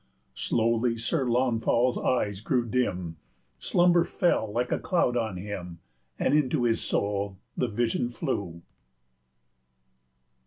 105 Slowly Sir Launfal's eyes grew dim, Slumber fell like a cloud on him, And into his soul the vision flew.